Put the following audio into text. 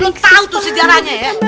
belum tahu tuh sejarahnya ya